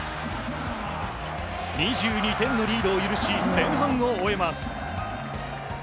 ２２点のリードを許し前半を終えます。